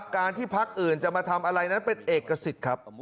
การที่พักอื่นจะมาทำอะไรนั้นเป็นเอกสิทธิ์ครับ